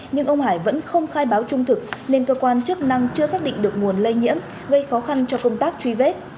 nhưng ông hải vẫn không khai báo trung thực nên cơ quan chức năng chưa xác định được nguồn lây nhiễm gây khó khăn cho công tác truy vết